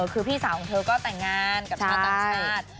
คือพี่สาวของเธอก็แต่งงานกับชาวต่างชาติ